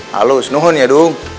halus itu ya dung